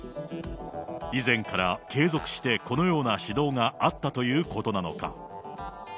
以前から継続してこのような指導があったということなのか。